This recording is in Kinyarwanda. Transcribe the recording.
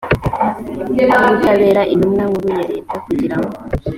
w ubutabera intumwa nkuru ya leta kugira ngo